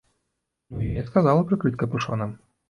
Ну я і сказала прыкрыць капюшонам.